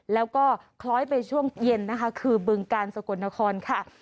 แล้วก็คล้อยไปช่วงเย็นนะคะคือบึงกาลสกลนครค่ะ